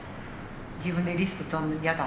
自分でリスクとるの嫌だ